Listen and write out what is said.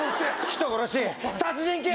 人殺し、殺人鬼。